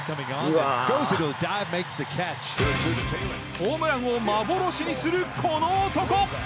ホームランを幻にするこの男！